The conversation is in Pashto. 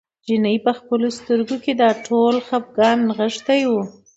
چیني په خپلو سترګو کې دا ټول خپګان نغښتی و.